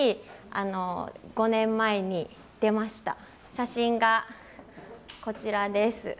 写真がこちらです。